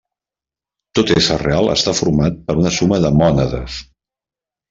Tot ésser real està format per una suma de mònades.